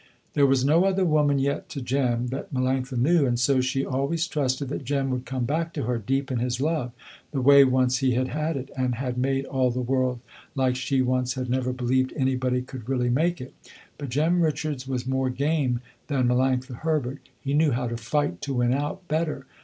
There was no other woman yet to Jem, that Melanctha knew, and so she always trusted that Jem would come back to her, deep in his love, the way once he had had it and had made all the world like she once had never believed anybody could really make it. But Jem Richards was more game than Melanctha Herbert. He knew how to fight to win out, better.